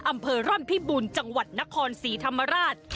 อำเภอร่อนพิบูรณ์จังหวัดนครศรีธรรมราช